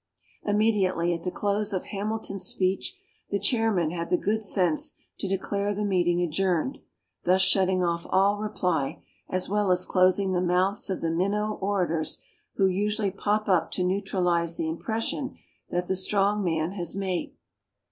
Immediately at the close of Hamilton's speech, the chairman had the good sense to declare the meeting adjourned thus shutting off all reply, as well as closing the mouths of the minnow orators who usually pop up to neutralize the impression that the strong man has made.